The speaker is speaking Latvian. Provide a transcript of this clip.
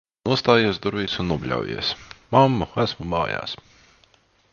Nostājies durvīs un nobļaujies: "Mammu, esmu mājās!"